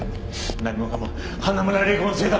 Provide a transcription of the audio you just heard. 何もかも花村玲子のせいだ！